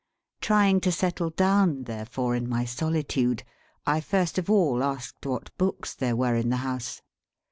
Trying to settle down, therefore, in my solitude, I first of all asked what books there were in the house.